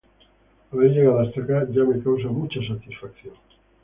Haber llegado hasta acá ya me causa mucha satisfacción.